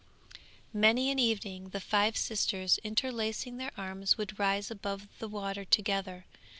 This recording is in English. Many an evening the five sisters interlacing their arms would rise above the water together.